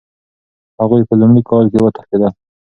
هغوی په لومړي کال کې وتښتېدل.